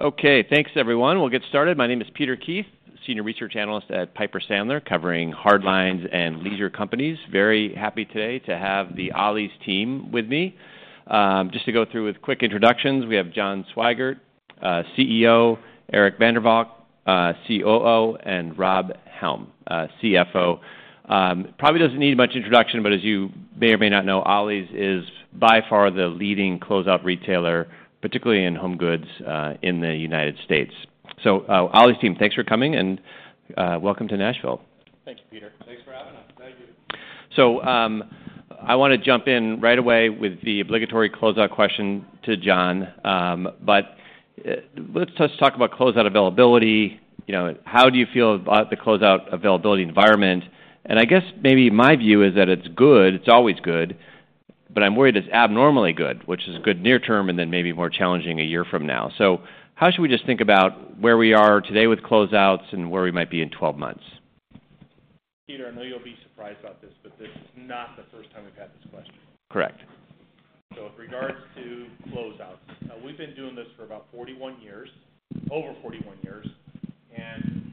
Okay, thanks everyone. We'll get started. My name is Peter Keith, Senior Research Analyst at Piper Sandler, covering Hardlines and Leisure companies. Very happy today to have the Ollie's team with me. Just to go through with quick introductions, we have John Swygert, CEO, Eric van der Valk, COO, and Rob Helm, CFO. Probably doesn't need much introduction, but as you may or may not know, Ollie's is by far the leading closeout retailer, particularly in home goods, in the United States. So, Ollie's team, thanks for coming and, welcome to Nashville. Thank you, Peter. Thanks for having us. Thank you. So, I want to jump in right away with the obligatory closeout question to John. But, let's just talk about closeout availability. You know, how do you feel about the closeout availability environment? And I guess maybe my view is that it's good, it's always good, but I'm worried it's abnormally good, which is good near term, and then maybe more challenging a year from now. So how should we just think about where we are today with closeouts and where we might be in 12 months? Peter, I know you'll be surprised about this, but this is not the first time we've had this question. Correct. So with regards to closeouts, we've been doing this for about 41 years, over 41 years, and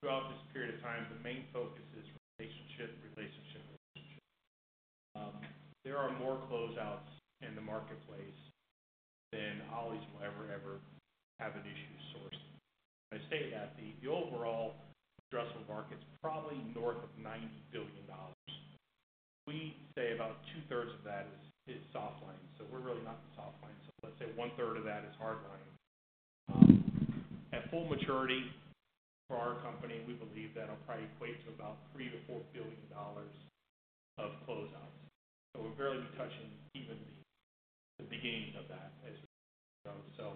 throughout this period of time, the main focus is relationship, relationship, relationship. There are more closeouts in the marketplace than Ollie's will ever have an issue sourcing. I say that the overall addressable market is probably north of $90 billion. We say about two-thirds of that is softlines, so we're really not the softlines. So let's say one-third of that is hardlines. At full maturity for our company, we believe that'll probably equate to about $3 billion-$4 billion of closeouts. So we're barely touching even the beginning of that. So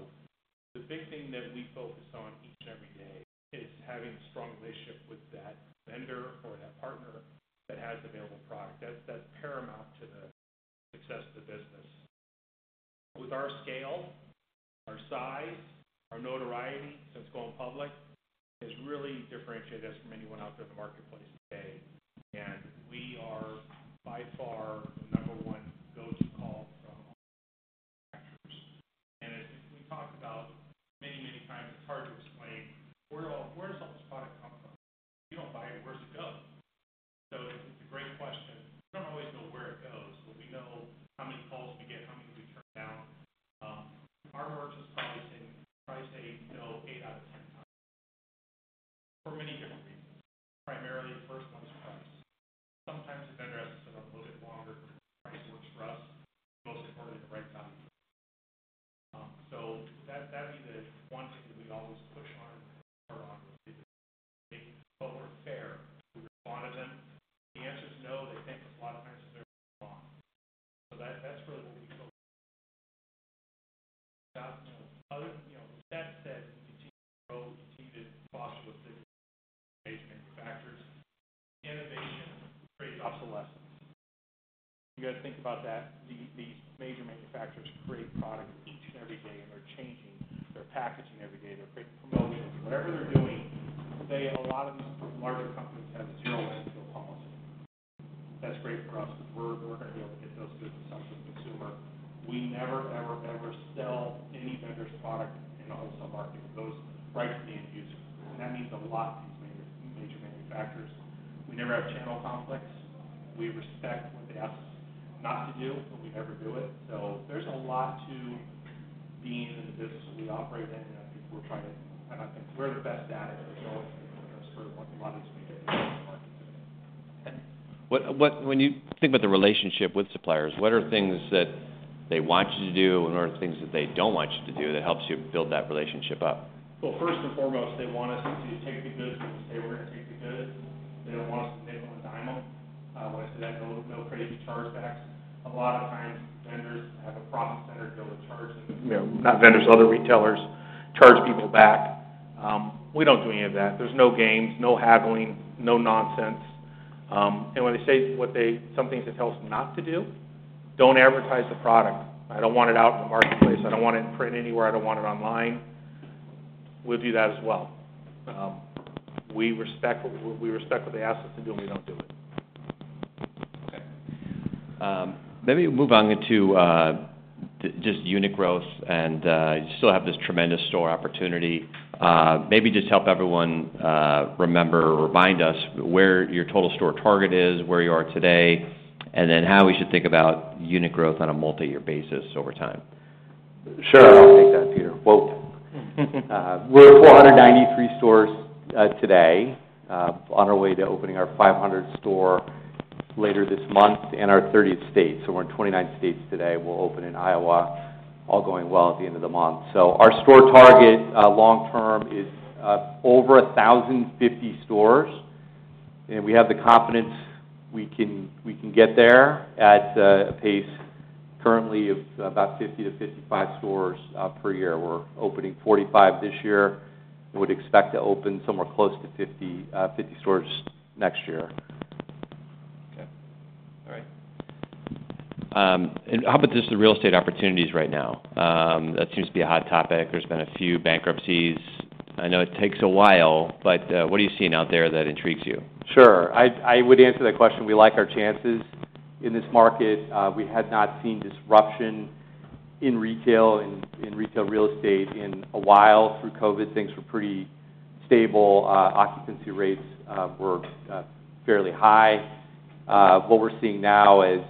the big thing that we focus on each and every day is having a strong relationship with that vendor or that partner that has available product. That's, that's paramount to the success of the business. With our scale, our size, our notoriety since going public, has really differentiated us from anyone out there in the marketplace today, and we are by far their packaging every day, they're creating promotions. Whatever they're doing, they—a lot of these larger companies have a zero-inventory policy. That's great for us because we're going to be able to get those goods to some consumer. We never, ever, ever sell any vendor's product in the wholesale market. Those rights are being used, and that means a lot to these major, major manufacturers. We never have channel conflicts. We respect what they ask us not to do, but we never do it. So there's a lot to being in the business that we operate in, and I think we're trying to, and I think we're the best at it as always, for a lot of these reasons. What, when you think about the relationship with suppliers, what are things that they want you to do, and what are things that they don't want you to do that helps you build that relationship up? Well, first and foremost, they want us to take the goods, and we say we're going to take the goods. They don't want us to take them a dime. When I say that, no, no crazy chargebacks. A lot of times, vendors have a profit center to be able to charge, you know, not vendors, other retailers, charge people back. We don't do any of that. There's no games, no haggling, no nonsense. And when they say what they... Some things that tells them not to do, don't advertise the product. I don't want it out in the marketplace. I don't want it printed anywhere. I don't want it online. We do that as well. We respect what, we respect what they ask us to do, and we don't do it. Okay. Let me move on to just unit growth and you still have this tremendous store opportunity. Maybe just help everyone remember or remind us where your total store target is, where you are today, and then how we should think about unit growth on a multi-year basis over time. Sure. I'll take that, Peter. Whoa! We're at 493 stores today, on our way to opening our 500th store later this month in our 30th state. So we're in 29 states today. We'll open in Iowa, all going well at the end of the month. So our store target long term is over 1,050 stores, and we have the confidence we can get there at a pace currently of about 50-55 stores per year. We're opening 45 this year. Would expect to open somewhere close to 50 stores next year. Okay. All right. And how about just the real estate opportunities right now? That seems to be a hot topic. There's been a few bankruptcies. I know it takes a while, but, what are you seeing out there that intrigues you? Sure. I would answer that question, we like our chances in this market. We had not seen disruption in retail, in retail real estate in a while. Through COVID, things were pretty stable, occupancy rates were fairly high. What we're seeing now is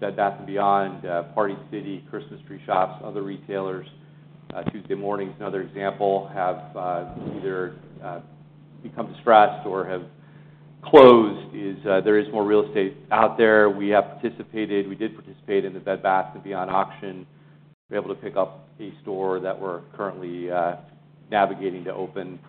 Bed Bath & Beyond, Party City, Christmas Tree Shops, other retailers, Tuesday Morning is another example, have either become distressed or have closed. There is more real estate out there. We have participated. We did participate in the Bed Bath & Beyond auction. We were able to pick up a store that we're currently navigating to open.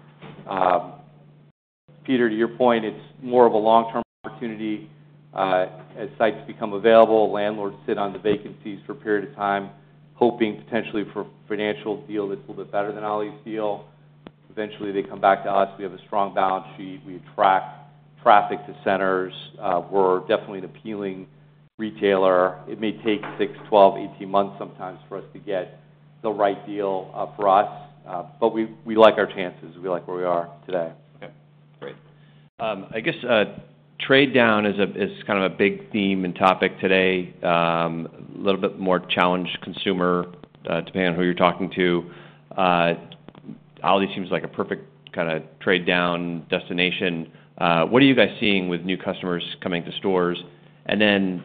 Peter, to your point, it's more of a long-term opportunity. As sites become available, landlords sit on the vacancies for a period of time, hoping potentially for a financial deal that's a little bit better than Ollie's deal. Eventually, they come back to us. We have a strong balance sheet. We attract traffic to centers. We're definitely an appealing retailer. It may take six, 12, 18 months sometimes for us to get the right deal, for us, but we, we like our chances. We like where we are today. Okay, great. I guess trade down is kind of a big theme and topic today. A little bit more challenged consumer, depending on who you're talking to. Ollie's seems like a perfect kinda trade-down destination. What are you guys seeing with new customers coming to stores? And then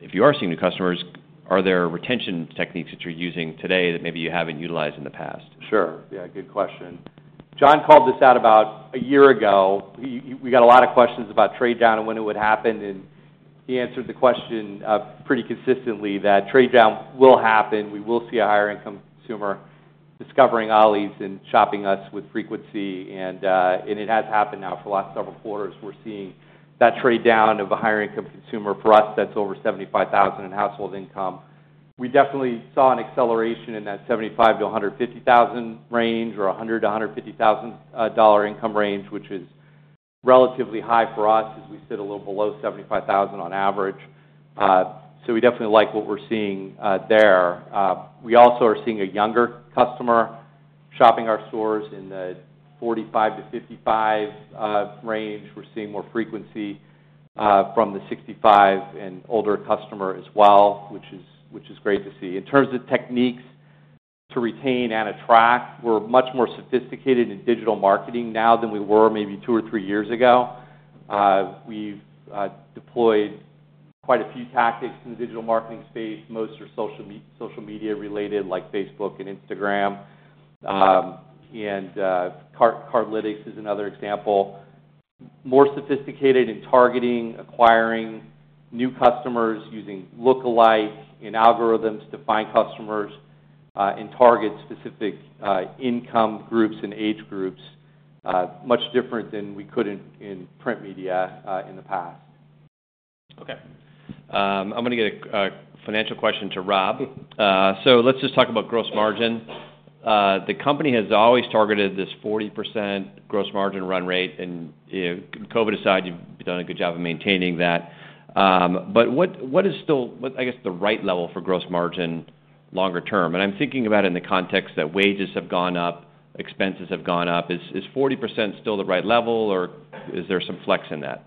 if you are seeing new customers, are there retention techniques that you're using today that maybe you haven't utilized in the past? Sure. Yeah, good question. John called this out about a year ago. We got a lot of questions about trade down and when it would happen, and he answered the question pretty consistently that trade down will happen. We will see a higher-income consumer discovering Ollie's and shopping us with frequency, and it has happened now for the last several quarters. We're seeing that trade down of a higher-income consumer. For us, that's over $75,000 in household income. We definitely saw an acceleration in that $75,000-$150,000 range, or $100,000-$150,000 income range, which is relatively high for us, as we sit a little below $75,000 on average. So we definitely like what we're seeing there. We also are seeing a younger customer shopping our stores in the 45-55 range. We're seeing more frequency from the 65 and older customer as well, which is great to see. In terms of techniques to retain and attract, we're much more sophisticated in digital marketing now than we were maybe two or three years ago. We've deployed quite a few tactics in the digital marketing space. Most are social media-related, like Facebook and Instagram. And Cardlytics is another example. More sophisticated in targeting, acquiring new customers, using lookalikes and algorithms to find customers and target specific income groups and age groups. Much different than we could in print media in the past. Okay. I'm gonna get a financial question to Rob. So let's just talk about gross margin. The company has always targeted this 40% gross margin run rate, and, COVID aside, you've done a good job of maintaining that. But what is still... what, I guess, the right level for gross margin longer term? And I'm thinking about it in the context that wages have gone up, expenses have gone up. Is 40% still the right level, or is there some flex in that?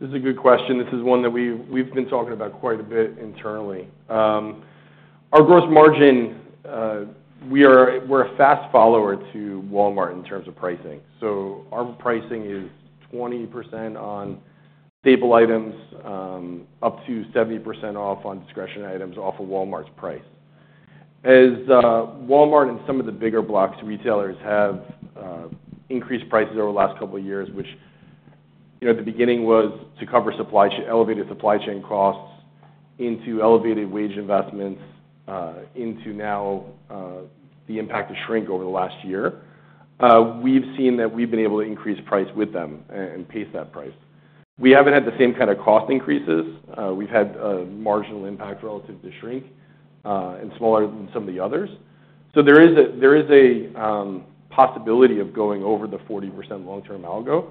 This is a good question. This is one that we've been talking about quite a bit internally. Our gross margin, we're a fast follower to Walmart in terms of pricing. So our pricing is 20% on staple items, up to 70% off on discretionary items off of Walmart's price. As Walmart and some of the big box retailers have increased prices over the last couple of years, which, you know, at the beginning, was to cover supply chain, elevated supply chain costs into elevated wage investments, into now, the impact of shrink over the last year, we've seen that we've been able to increase price with them and pace that price. We haven't had the same kind of cost increases. We've had a marginal impact relative to shrink, and smaller than some of the others. So there is a possibility of going over the 40% long-term algo.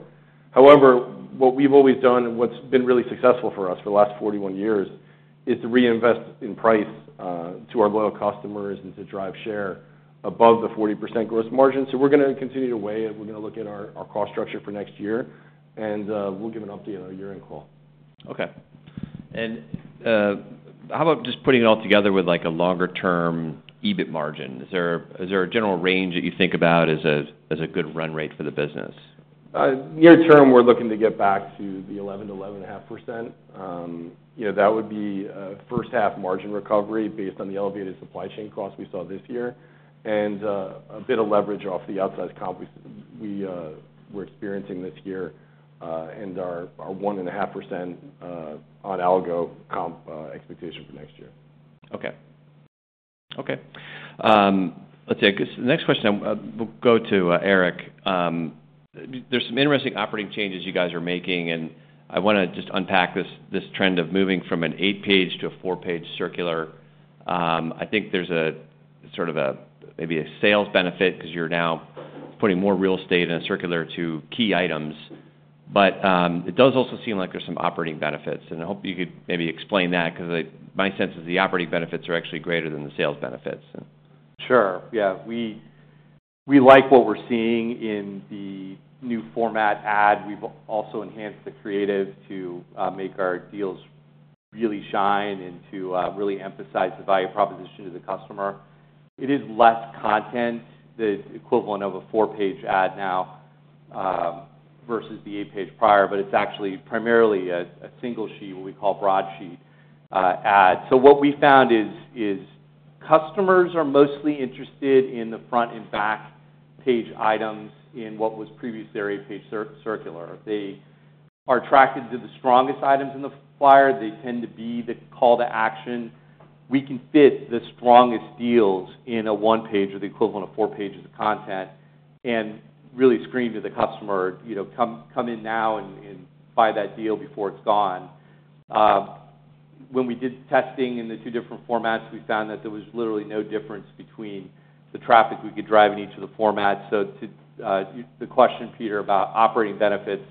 However, what we've always done and what's been really successful for us for the last 41 years, is to reinvest in price to our loyal customers and to drive share above the 40% gross margin. So we're gonna continue to weigh it. We're gonna look at our cost structure for next year, and we'll give an update on our year-end call. Okay. And, how about just putting it all together with, like, a longer-term EBIT margin? Is there, is there a general range that you think about as a, as a good run rate for the business? Near term, we're looking to get back to the 11%-11.5%. You know, that would be a first half margin recovery based on the elevated supply chain costs we saw this year. And a bit of leverage off the outsized comp we're experiencing this year, and our 1.5% on algo comp expectation for next year. Okay. Okay, let's see. I guess the next question, we'll go to Eric. There's some interesting operating changes you guys are making, and I wanna just unpack this trend of moving from an eight-page to a four-page circular. I think there's a sort of a, maybe a sales benefit because you're now putting more real estate in a circular to key items. But, it does also seem like there's some operating benefits, and I hope you could maybe explain that because, my sense is the operating benefits are actually greater than the sales benefits then. Sure. Yeah, we like what we're seeing in the new format ad. We've also enhanced the creative to make our deals really shine and to really emphasize the value proposition to the customer. It is less content, the equivalent of a four-page ad now, versus the eight-page prior, but it's actually primarily a single sheet, what we call broadsheet, ad. So what we found is customers are mostly interested in the front and back page items in what was previously their eight-page circular. They are attracted to the strongest items in the flyer. They tend to be the call to action. We can fit the strongest deals in a one page, or the equivalent of four pages of content, and really scream to the customer, you know, "Come in now and buy that deal before it's gone." When we did testing in the two different formats, we found that there was literally no difference between the traffic we could drive in each of the formats. So to the question, Peter, about operating benefits,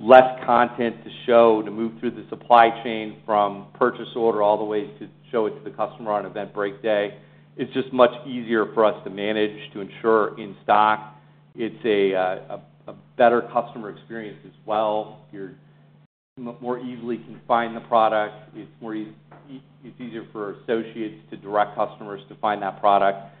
less content to show, to move through the supply chain from purchase order, all the way to show it to the customer on event break day, it's just much easier for us to manage, to ensure in stock. It's a better customer experience as well. You're more easily can find the product. It's easier for associates to direct customers to find that product.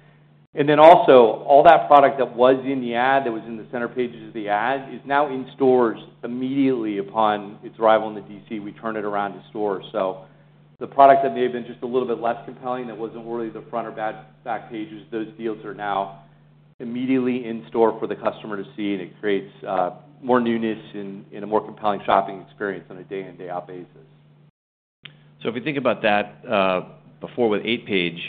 Then also, all that product that was in the ad, that was in the center pages of the ad, is now in stores immediately upon its arrival in the DC. We turn it around to stores. So the product that may have been just a little bit less compelling, that wasn't really the front or back, back pages, those deals are now immediately in store for the customer to see, and it creates more newness and, and a more compelling shopping experience on a day in, day out basis. So if you think about that, before with eight-page,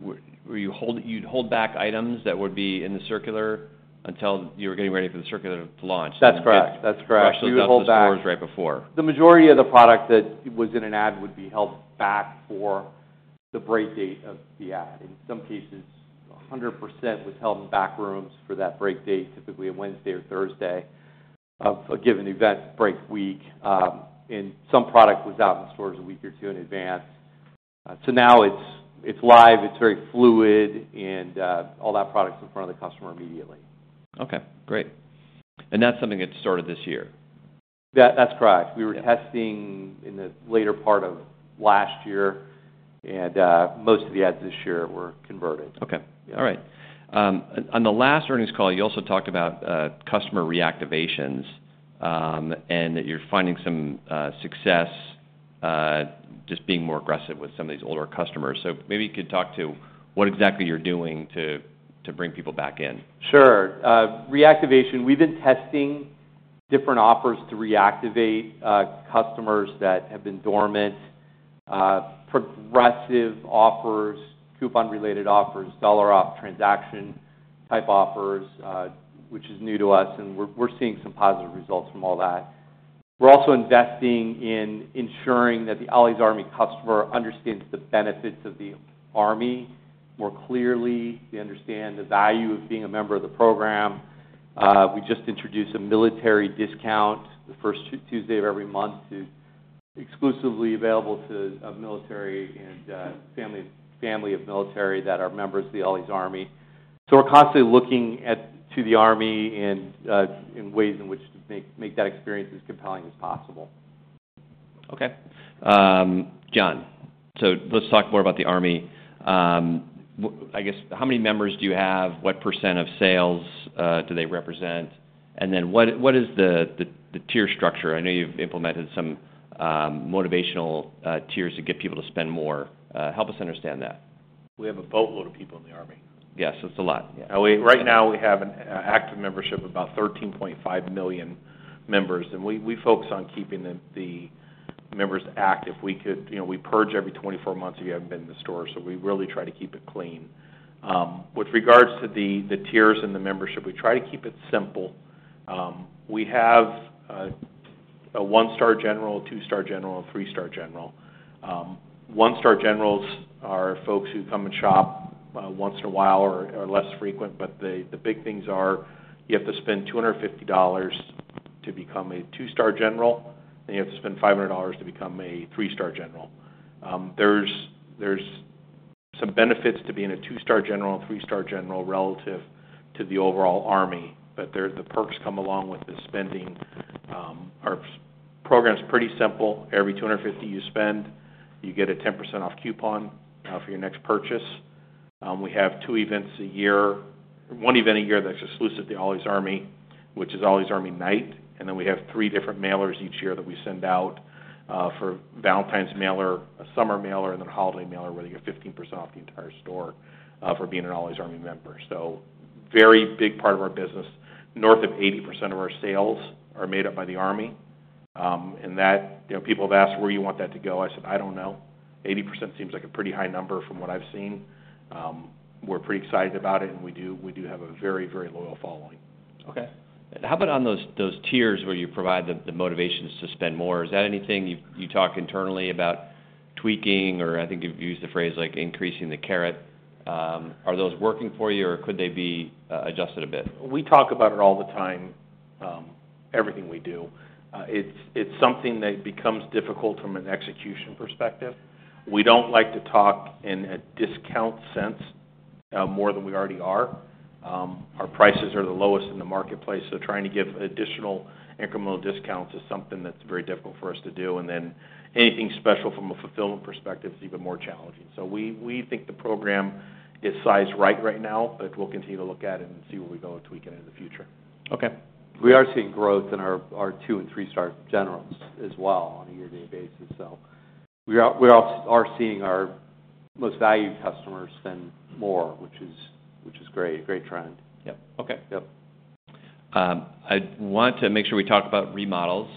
where you'd hold back items that would be in the circular until you were getting ready for the circular to launch? That's correct. That's correct. Rush those out to the stores right before. The majority of the product that was in an ad would be held back for the break date of the ad. In some cases, 100% was held in back rooms for that break date, typically a Wednesday or Thursday, of a given event break week. And some product was out in stores a week or two in advance. So now it's live, it's very fluid, and all that product's in front of the customer immediately. Okay, great. And that's something that started this year? That's correct. Yeah. We were testing in the later part of last year, and most of the ads this year were converted. Okay. Yeah. All right. On the last earnings call, you also talked about customer reactivations, and that you're finding some success just being more aggressive with some of these older customers. So maybe you could talk to what exactly you're doing to bring people back in. Sure. Reactivation, we've been testing different offers to reactivate customers that have been dormant, progressive offers, coupon-related offers, dollar-off transaction type offers, which is new to us, and we're seeing some positive results from all that. We're also investing in ensuring that the Ollie's Army customer understands the benefits of the Army more clearly. They understand the value of being a member of the program. We just introduced a military discount the first Tuesday of every month exclusively available to military and family of military that are members of the Ollie's Army. So we're constantly looking to the Army and in ways in which to make that experience as compelling as possible. Okay. John, so let's talk more about the Army. I guess, how many members do you have? What percent of sales do they represent? And then what is the tier structure? I know you've implemented some motivational tiers to get people to spend more. Help us understand that. We have a boatload of people in the Army. Yes, it's a lot, yeah. Right now, we have an active membership, about 13.5 million members, and we focus on keeping the members active. You know, we purge every 24 months if you haven't been in the store, so we really try to keep it clean. With regards to the tiers in the membership, we try to keep it simple. We have a One-Star General, a Two-Star General, a Three-Star General. One-Star Generals are folks who come and shop once in a while or less frequent, but the big things are: you have to spend $250 to become a Two-Star General, and you have to spend $500 to become a Three-Star General. There's some benefits to being a Two-Star General and Three-Star General relative to the overall Army, but the perks come along with the spending. Our program's pretty simple. Every $250 you spend, you get a 10% off coupon for your next purchase. We have two events a year, one event a year that's exclusive to Ollie's Army, which is Ollie's Army Night, and then we have three different mailers each year that we send out, for Valentine's mailer, a summer mailer, and then a holiday mailer, where you get 15% off the entire store for being an Ollie's Army member. So very big part of our business. North of 80% of our sales are made up by the Army, and that... You know, people have asked: "Where you want that to go?" I said, "I don't know. 80% seems like a pretty high number from what I've seen." We're pretty excited about it, and we do, we do have a very, very loyal following. Okay. How about on those tiers where you provide the motivation to spend more? Is that anything you talk internally about tweaking, or I think you've used the phrase, like, increasing the carrot. Are those working for you, or could they be adjusted a bit? We talk about it all the time.... everything we do. It's something that becomes difficult from an execution perspective. We don't like to talk in a discount sense more than we already are. Our prices are the lowest in the marketplace, so trying to give additional incremental discounts is something that's very difficult for us to do, and then anything special from a fulfillment perspective is even more challenging. We think the program is sized right right now, but we'll continue to look at it and see where we go and tweak it in the future. Okay. We are seeing growth in our Two- and Three-Star Generals as well on a year-to-date basis, so we are seeing our most valued customers spend more, which is great, a great trend. Yep. Okay. Yep. I want to make sure we talk about remodels.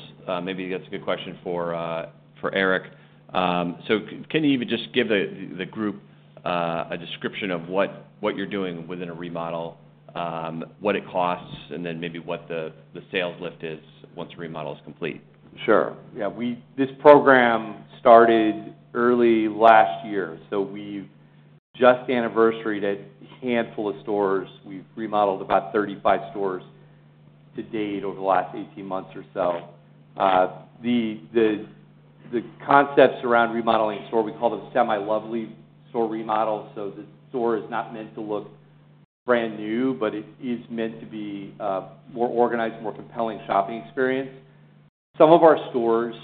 Maybe that's a good question for Eric. Can you even just give the group a description of what you're doing within a remodel, what it costs, and then maybe what the sales lift is once the remodel is complete? Sure. Yeah, this program started early last year, so we've just anniversaried a handful of stores. We've remodeled about 35 stores to date over the last 18 months or so. The concepts around remodeling a store, we call them Semi-Lovely store remodels. So the store is not meant to look brand new, but it is meant to be more organized, more compelling shopping experience. Some of our stores,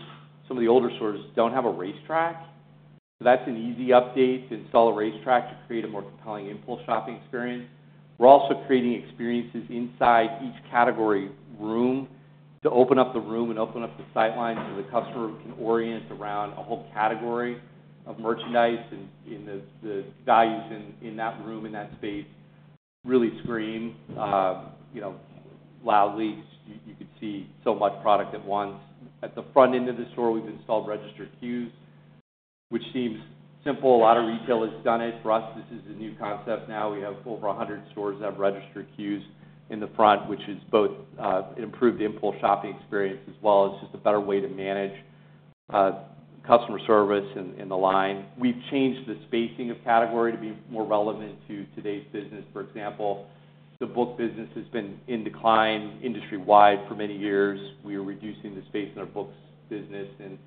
some of the older stores don't have a racetrack, so that's an easy update, to install a racetrack to create a more compelling impulse shopping experience. We're also creating experiences inside each category room to open up the room and open up the sight lines, so the customer can orient around a whole category of merchandise. And the values in that room, in that space really scream, you know, loudly. You could see so much product at once. At the front end of the store, we've installed register queues, which seems simple. A lot of retailers have done it. For us, this is a new concept now. We have over 100 stores that have register queues in the front, which is both improved the impulse shopping experience, as well as just a better way to manage customer service in the line. We've changed the spacing of category to be more relevant to today's business. For example, the book business has been in decline industry-wide for many years. We are reducing the space in our books business and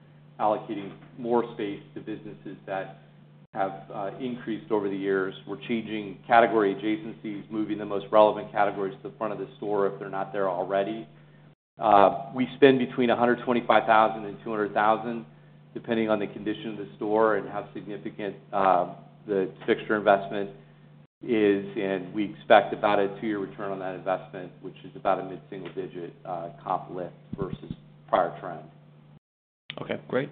allocating more space to businesses that have increased over the years. We're changing category adjacencies, moving the most relevant categories to the front of the store if they're not there already. We spend between $125,000 and $200,000, depending on the condition of the store and how significant the fixture investment is, and we expect about a two-year return on that investment, which is about a mid-single-digit comp lift versus prior trend. Okay, great.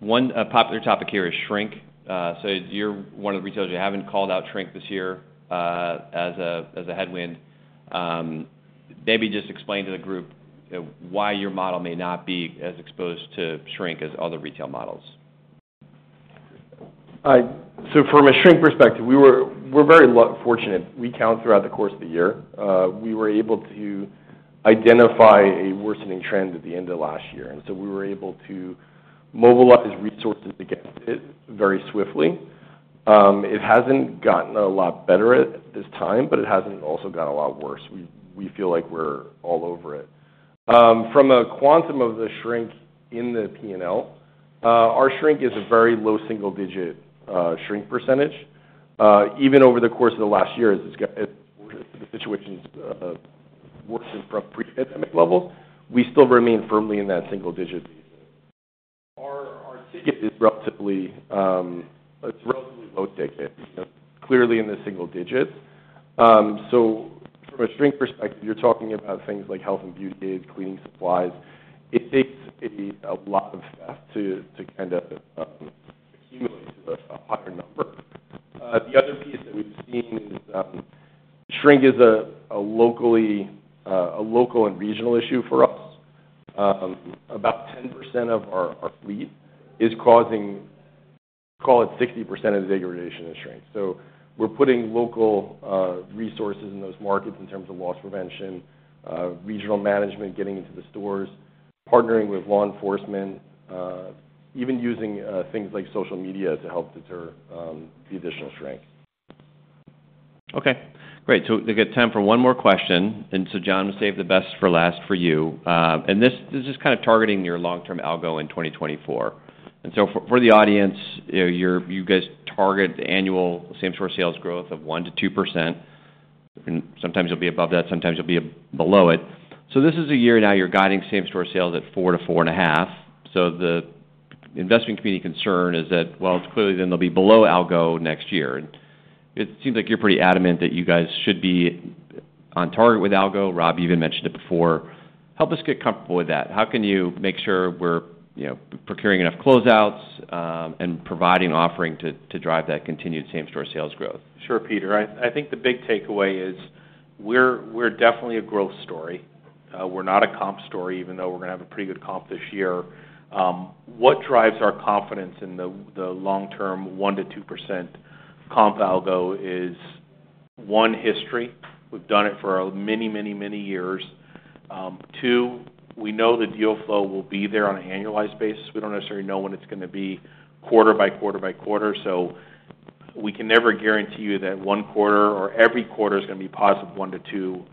One popular topic here is shrink. So you're one of the retailers who haven't called out shrink this year, as a headwind. Maybe just explain to the group, why your model may not be as exposed to shrink as other retail models. So from a shrink perspective, we're very fortunate. We count throughout the course of the year. We were able to identify a worsening trend at the end of last year, and so we were able to mobilize resources against it very swiftly. It hasn't gotten a lot better at this time, but it hasn't also gotten a lot worse. We feel like we're all over it. From a quantum of the shrink in the P&L, our shrink is a very low single-digit shrink percentage. Even over the course of the last year, as the situation's worsened from pre-pandemic levels, we still remain firmly in that single digit. Our ticket is relatively, it's a relatively low ticket, you know, clearly in the single digits. So from a shrink perspective, you're talking about things like health and beauty, cleaning supplies. It takes a lot of theft to kind of accumulate to a higher number. The other piece that we've seen is, shrink is a local and regional issue for us. About 10% of our fleet is causing, call it, 60% of the degradation and shrink. So we're putting local resources in those markets in terms of loss prevention, regional management, getting into the stores, partnering with law enforcement, even using things like social media to help deter the additional shrink. Okay, great. So we got time for one more question, and so John, we saved the best for last for you. And this is kind of targeting your long-term algo in 2024. And so for the audience, you know, you guys target annual same-store sales growth of 1%-2%, and sometimes you'll be above that, sometimes you'll be below it. So this is a year now you're guiding same-store sales at 4%-4.5%. So the investing community concern is that, well, clearly, then they'll be below algo next year. And it seems like you're pretty adamant that you guys should be on target with algo. Rob, you even mentioned it before. Help us get comfortable with that. How can you make sure we're, you know, procuring enough closeouts, and providing offering to drive that continued same-store sales growth? Sure, Peter. I, I think the big takeaway is, we're, we're definitely a growth story. We're not a comp story, even though we're going to have a pretty good comp this year. What drives our confidence in the, the long-term 1%-2% comp algo is, one, history. We've done it for many, many, many years. Two, we know the deal flow will be there on an annualized basis. We don't necessarily know when it's going to be quarter by quarter by quarter, so we can never guarantee you that one quarter or every quarter is going to be positive 1%-2%,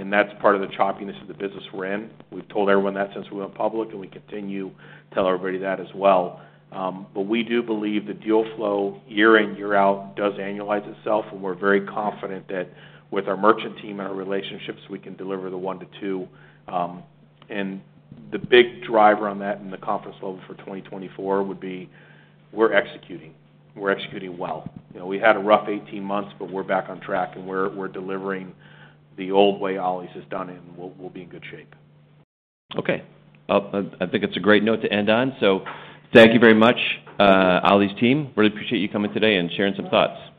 and that's part of the choppiness of the business we're in. We've told everyone that since we went public, and we continue to tell everybody that as well. But we do believe the deal flow, year in, year out, does annualize itself, and we're very confident that with our merchant team and our relationships, we can deliver the 1%-2%. And the big driver on that and the confidence level for 2024 would be, we're executing. We're executing well. You know, we had a rough 18 months, but we're back on track, and we're delivering the old way Ollie's has done it, and we'll be in good shape. Okay. I think it's a great note to end on. So thank you very much, Ollie's team. Really appreciate you coming today and sharing some thoughts.